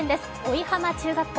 生浜中学校